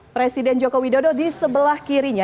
presiden jokowi dodo di sebelah kirinya